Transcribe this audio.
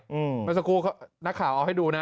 เมื่อสักครู่นักข่าวเอาให้ดูนะ